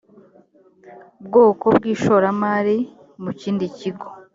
bwoko bw ishoramari mu kindi kigo